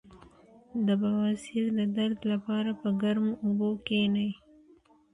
د بواسیر د درد لپاره په ګرمو اوبو کینئ